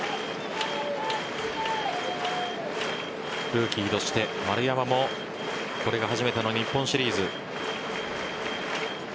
ルーキーとして丸山もこれが初めての日本シリーズ。